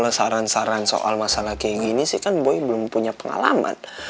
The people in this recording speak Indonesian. kalau saran saran soal masalah kayak gini sih kan boy belum punya pengalaman